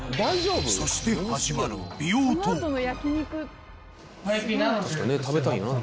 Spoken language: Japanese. そして始まる美容トーク